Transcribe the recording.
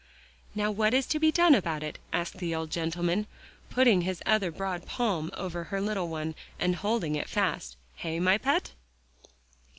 "Now what is to be done about it?" asked the old gentleman, putting his other broad palm over her little one and holding it fast. "Hey, my pet?"